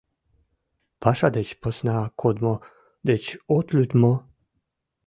Паша деч посна кодмо деч от лӱд мо?